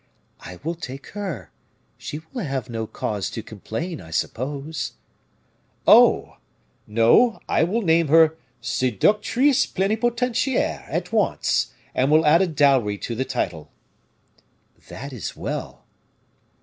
"I will take her; she will have no cause to complain, I suppose." "Oh! no, I will name her seductrice plenipotentiaire at once, and will add a dowry to the title." "That is well."